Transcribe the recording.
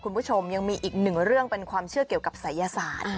คุณผู้ชมยังมีอีกหนึ่งเรื่องเป็นความเชื่อเกี่ยวกับศัยศาสตร์